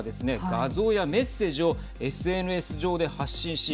画像やメッセージをＳＮＳ上で発信し